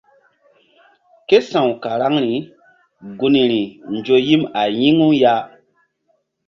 Ké sa̧w karaŋri gun ri nzo yim a yi̧ŋu ya.